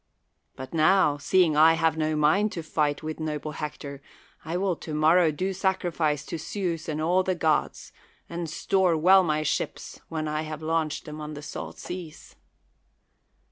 But now, seeing I have no mind to fight with noble Hector, I will to morrow do sacrifice to Zeus and all the gods, and store well my ships when I have launched them on the salt seas.